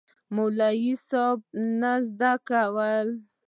مولوي صېب نه زده کول